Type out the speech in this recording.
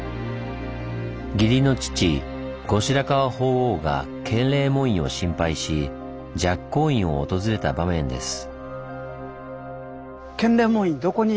義理の父後白河法皇が建礼門院を心配し寂光院を訪れた場面です。